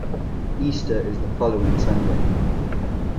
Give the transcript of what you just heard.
Easter is the following Sunday.